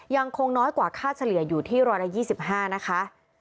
ยังคงน้อยกว่าค่าเฉลี่ยอยู่ที่๑๒๕นะคะ